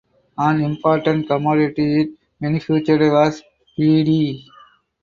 An important commodity it manufactured was bidi.